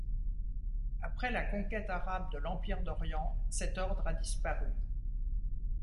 Après la conquête arabe de l’Empire d'Orient, cet ordre a disparu.